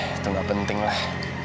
itu gak penting lah